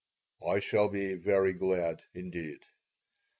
"I shall be very glad, indeed."